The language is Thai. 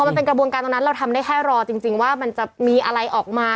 มันเป็นกระบวนการตรงนั้นเราทำได้แค่รอจริงว่ามันจะมีอะไรออกมา